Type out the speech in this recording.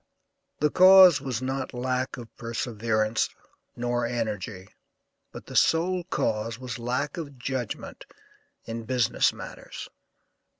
The cause was not lack of perseverance nor energy, but the sole cause was lack of judgment in business matters.